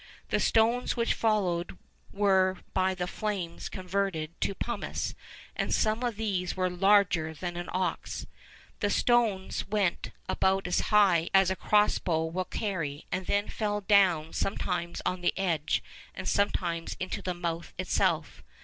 The stones which followed were by the flames converted to pumice, and some of these were larger than an ox. The stones went about as high as a cross bow will carry, and then fell down sometimes on the edge, and sometimes into the mouth itself.